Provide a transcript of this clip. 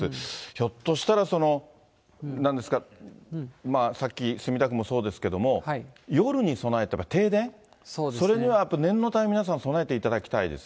ひょっとしたら、なんですか、さっき墨田区もそうですけども、夜に備えて、停電、それにはやっぱ、念のため皆さん、備えていただきたいです